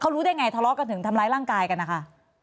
รู้ได้ไงทะเลาะกันถึงทำร้ายร่างกายกันนะคะ